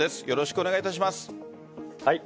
よろしくお願いします。